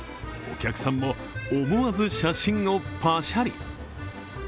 お客さんも思わず写真をパシャリ！